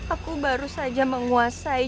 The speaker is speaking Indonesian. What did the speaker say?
aku baru saja menguasai